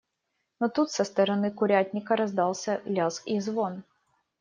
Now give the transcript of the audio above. Но тут со стороны курятника раздался лязг и звон.